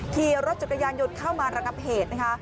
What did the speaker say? ที่รถจนกระยาแยนหยุดเข้ามาระหว่างแผน